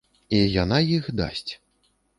І яна іх дасць.